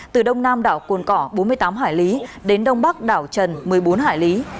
từ đông nam đảo cồn cỏ bốn mươi tám hải lý đến đông bắc đảo trần một mươi bốn hải lý